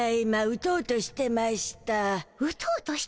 「うとうとしてました」？